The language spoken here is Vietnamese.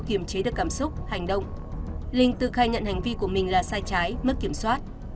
kiềm chế được cảm xúc hành động linh tự khai nhận hành vi của mình là sai trái mất kiểm soát